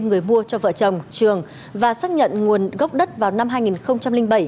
người mua cho vợ chồng trường và xác nhận nguồn gốc đất vào năm hai nghìn bảy